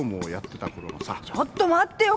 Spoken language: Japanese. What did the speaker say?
ちょっと待ってよ。